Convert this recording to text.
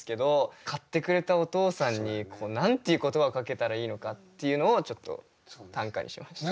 買ってくれたお父さんに何ていう言葉をかけたらいいのかっていうのをちょっと短歌にしました。